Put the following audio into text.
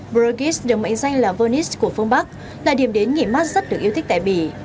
brugis được mệnh danh là venice của phương bắc là điểm đến nghỉ mát rất được yêu thích tại bỉ